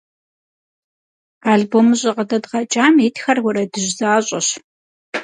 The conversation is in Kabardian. Албомыщӏэ къыдэдгъэкӏам итхэр уэрэдыжь защӏэщ.